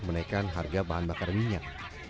menaikkan harga bahan bakar minyak